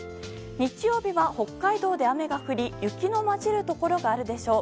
日曜日は北海道で雨が降り雪の交じるところがあるでしょう。